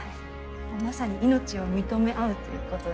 まさに命を認め合うということ。